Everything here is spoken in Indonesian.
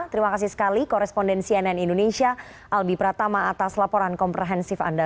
terima kasih sekali koresponden cnn indonesia albi pratama atas laporan komprehensif anda